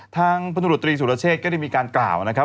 ทางพนธุรกิจสุรเชษก็ได้มีการกล่าวนะครับ